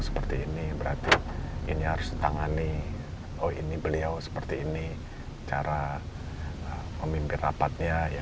seperti ini berarti ini harus ditangani oh ini beliau seperti ini cara memimpin rapatnya ya